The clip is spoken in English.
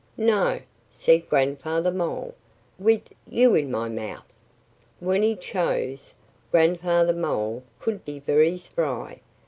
"No!" said Grandfather Mole. "With you in my mouth!" When he chose, Grandfather Mole could be very spry.